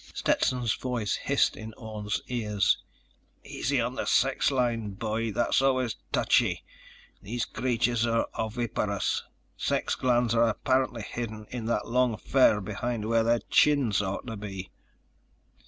Stetson's voice hissed in Orne's ears: _"Easy on the sex line, boy. That's always touchy. These creatures are oviparous. Sex glands are apparently hidden in that long fur behind where their chins ought to be."